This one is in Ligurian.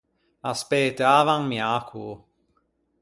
A spëtava un miacoo.